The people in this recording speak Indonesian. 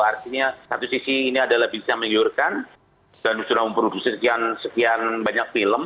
artinya satu sisi ini adalah bisa menggiurkan dan sudah memproduksi sekian banyak film